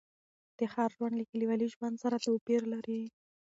د ښار ژوند له کلیوالي ژوند سره توپیر لري.